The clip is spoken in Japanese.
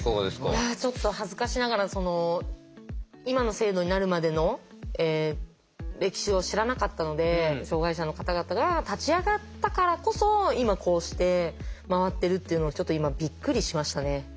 いやちょっと恥ずかしながら今の制度になるまでの歴史を知らなかったので障害者の方々が立ち上がったからこそ今こうして回ってるっていうのちょっと今びっくりしましたね。